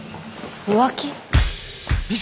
浮気？